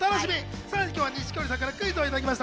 さらに今日は錦織さんからクイズをいただきました。